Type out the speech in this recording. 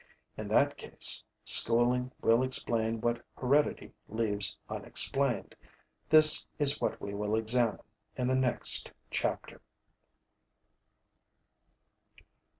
In that case, schooling will explain what heredity leaves unexplained. This is what we will examine in the next chapter.